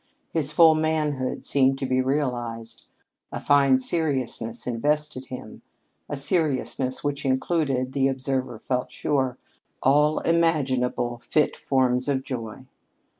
His full manhood seemed to be realized. A fine seriousness invested him a seriousness which included, the observer felt sure, all imaginable fit forms of joy.